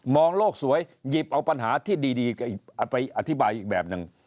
โลกสวยหยิบเอาปัญหาที่ดีไปอธิบายอีกแบบหนึ่ง